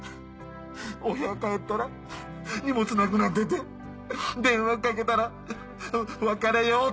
お部屋帰ったら荷物なくなってて電話かけたら「別れよう」って。